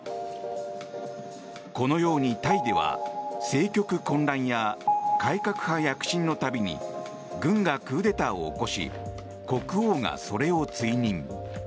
このように、タイでは政局混乱や改革派躍進のたびに軍がクーデターを起こし国王がそれを追認。